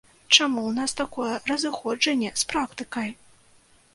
Чаму ў нас такое разыходжанне з практыкай?